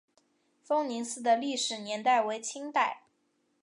丰宁寺的历史年代为清代。